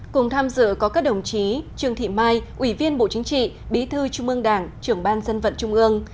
cùng tham dự có các đồng chí trương thị mai ủy viên bộ chính trị bí thư trung ương đảng trưởng ban dân vận trung ương